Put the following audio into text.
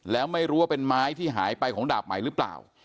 แล้วไม่รู้ว่าเป็นไม้ที่หายไปของดาบไหมหรือเปล่า